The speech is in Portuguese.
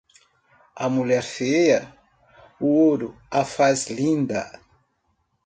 A mulher feia, o ouro a faz linda.